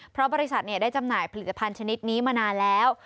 เพราะบริษัทได้จำหน่ายผลิตภัณฑ์ชนิดนี้มานานแล้ว